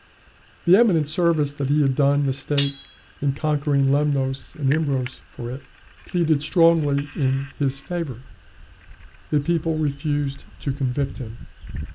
The eminent service that he had done the state in conquering Lemnos and Imbros for it, pleaded strongly in his favor. The people refused to convict him.